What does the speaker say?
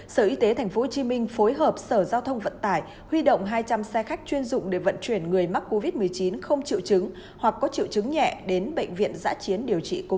sở y tế tp hcm phối hợp sở giao thông vận tải huy động hai trăm linh xe khách chuyên dụng để vận chuyển người mắc covid một mươi chín không triệu chứng hoặc có triệu chứng nhẹ đến bệnh viện giã chiến điều trị covid một mươi chín